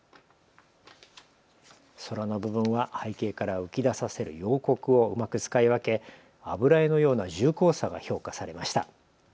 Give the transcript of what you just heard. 空の部分は背景から浮き出させる陽刻をうまく使い分け油絵のような重厚さが評価されました。